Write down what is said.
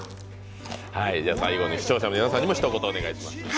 最後に視聴者の皆さんにもひと言お願いします。